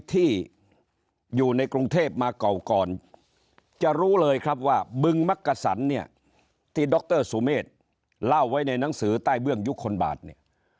ที่อยู่ในกรุงเทพมาเก่าก่อนจะรู้เลยครับว่าบึงมักกะสันเนี่ยที่ดรสุเมฆเล่าไว้ในหนังสือใต้เบื้องยุคลบาทเนี่ย